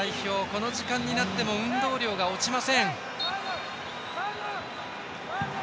この時間になっても運動量が落ちません。